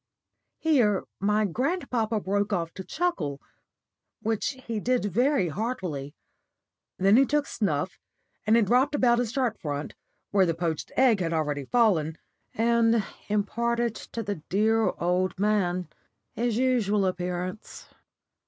'" Here my grandpapa broke off to chuckle, which he did very heartily. Then he took snuff, and it dropped about his shirt front, where the poached egg had already fallen, and imparted to the dear old man his usual appearance.